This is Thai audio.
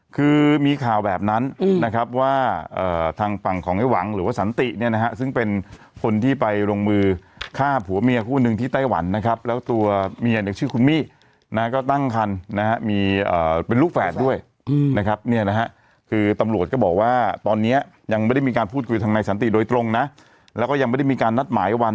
คือมีข่าวแบบนั้นนะครับว่าทางฝั่งของไอ้หวังหรือว่าสันติเนี่ยนะฮะซึ่งเป็นคนที่ไปลงมือฆ่าผัวเมียคู่หนึ่งที่ไต้หวันนะครับแล้วตัวเมียเนี่ยชื่อคุณมี่นะฮะก็ตั้งคันนะฮะมีเป็นลูกแฝดด้วยนะครับเนี่ยนะฮะคือตำรวจก็บอกว่าตอนนี้ยังไม่ได้มีการพูดคุยทางนายสันติโดยตรงนะแล้วก็ยังไม่ได้มีการนัดหมายวัน